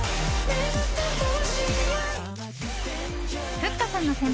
ふっかさんの先輩